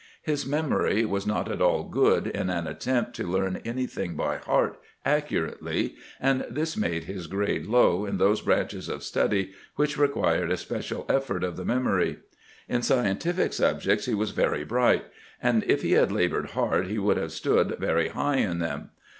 His memory was not at all good in an attempt to learn anything by heart accurately, and this made his grade low in those branches of study which required a special effort of the memory. In scien tific subjects he was very bright, and if he had labored hard he would have stood very high in them.